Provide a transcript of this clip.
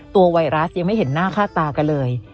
ไวรัสยังไม่เห็นหน้าค่าตากันเลย